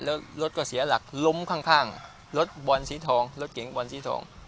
แล้วรถก็เสียหลักล้มข้างรถบอลสีทองรถเก๋งบอลสีทอง